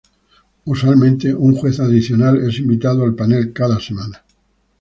Usualmente, un juez adicional es invitado al panel cada semana.